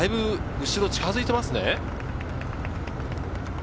だいぶ後ろが近づいていますね。